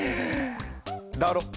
だろ？